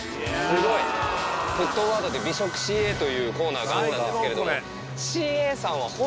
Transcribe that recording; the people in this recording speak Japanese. すごい！『沸騰ワード』で「美食ＣＡ」というコーナーがあったんですけれども。